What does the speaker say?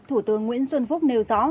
thủ tướng nguyễn xuân phúc nêu rõ